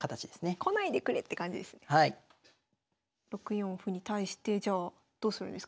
６四歩に対してじゃあどうするんですか？